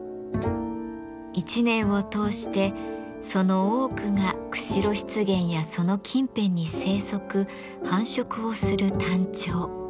１年を通してその多くが釧路湿原やその近辺に生息繁殖をするタンチョウ。